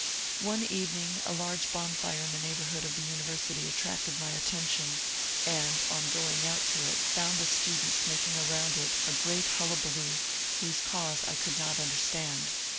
One evening a large bonfire in the neighbourhood of the university attracted my attention, and on going out to it found the students making around it a great hullabaloo whose cause I could not understand.